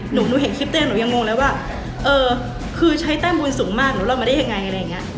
หนูเห็นคลิปนี้หนูยังงงเลยว่าเออคือใช้แต้มบุญสูงมากหนูรอดมาได้ยังไงอะไรอย่างเงี้ย